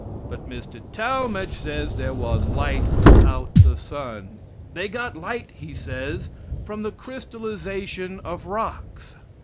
But Mr. Talmage says there was light without the sun. They got light, he says, from the crystallization of rocks.